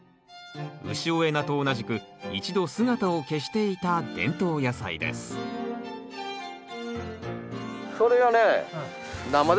潮江菜と同じく一度姿を消していた伝統野菜ですそれをね